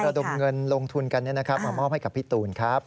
ระดมเงินลงทุนกันมามอบให้กับพี่ตูนครับ